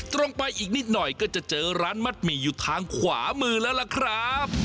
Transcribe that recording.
ตรงไปอีกนิดหน่อยก็จะเจอร้านมัดหมี่อยู่ทางขวามือแล้วล่ะครับ